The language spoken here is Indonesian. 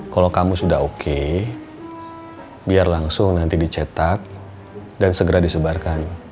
kalau kamu sudah oke biar langsung nanti dicetak dan segera disebarkan